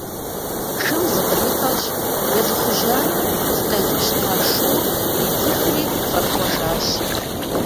Шым зыкъритӏэщ, езыхужьэну зыкъезыпщыта шур иридзыхри щӏэпхъуэжащ.